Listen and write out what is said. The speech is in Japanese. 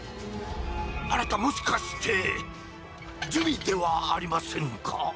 あなたもしかして珠魅ではありませんか？